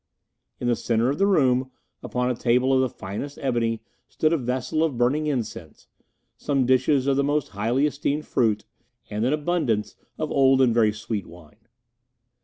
In the centre of the room upon a table of the finest ebony stood a vessel of burning incense, some dishes of the most highly esteemed fruit, and an abundance of old and very sweet wine.